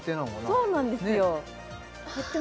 そうなんですよああ！